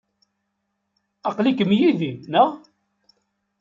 Aql-ikem yid-i, naɣ?